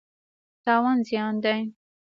تاوان زیان دی.